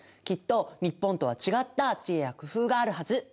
きっと日本とは違った知恵や工夫があるはず。